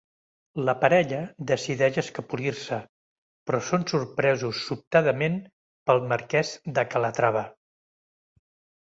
La parella decideix escapolir-se, però són sorpresos sobtadament pel Marquès de Calatrava.